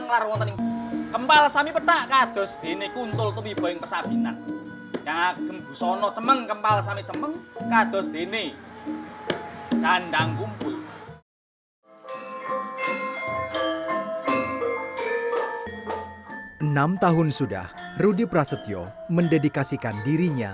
menjadi seorang dalang yang berpengalaman untuk menjaga kepentingan dan kepentingan orang orang di indonesia